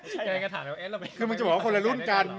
ใช่คือมันจะบอกว่าคนละรุ่นกัน